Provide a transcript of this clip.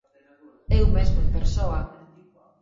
Eu mesmo en persoa.